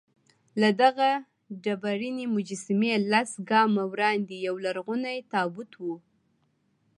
له دغه ډبرینې مجسمې لس ګامه وړاندې یولرغونی تابوت و.